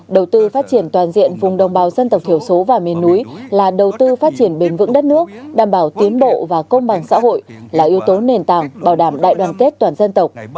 đầu tư phát triển toàn diện vùng đồng bào dân tộc thiểu số và miền núi là đầu tư phát triển bền vững đất nước đảm bảo tiến bộ và công bằng xã hội là yếu tố nền tảng bảo đảm đại đoàn kết toàn dân tộc